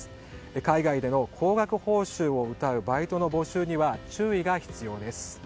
海外での高額報酬をうたうバイトの募集には注意が必要です。